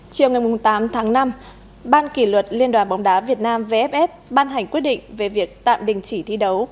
chiều ngày tám tháng năm ban kỷ luật liên đoàn bóng đá việt nam vff ban hành quyết định về việc tạm đình chỉ thi đấu